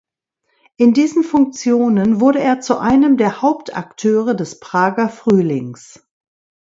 In diesen Funktionen wurde er zu einem der Hauptakteure des Prager Frühlings.